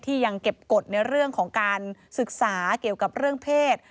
ยังเก็บกฎในเรื่องของการศึกษาเกี่ยวกับเรื่องเพศ